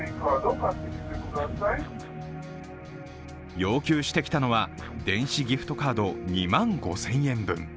要求してきたのは、電子ギフトカード２万５０００円分。